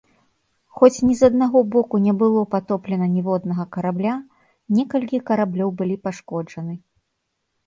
Хоць ні з аднаго боку не было патоплена ніводнага карабля, некалькі караблёў былі пашкоджаны.